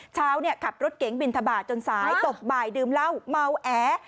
เช้าขับรถเก๋งบินทบาทจนสายตกบ่ายดื่มเหล้าเมาแอ